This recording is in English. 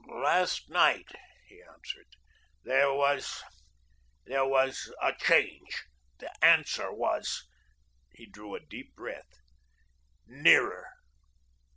"Last night," he answered, "there was there was a change. The Answer was " he drew a deep breath "nearer."